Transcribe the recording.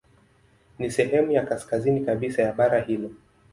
Ni sehemu ya kaskazini kabisa ya bara hilo.